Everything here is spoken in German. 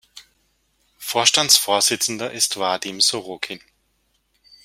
Vorstandsvorsitzender ist Vadim Sorokin.